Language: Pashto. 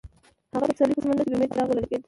هغه د پسرلی په سمندر کې د امید څراغ ولید.